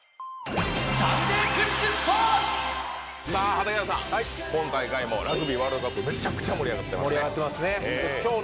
畠山さん、今大会もラグビーワールドカップ、めちゃくちゃ盛り上がってますね。